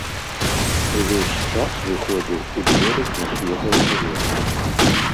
Увесь час выходзіў у дворык на свежае паветра.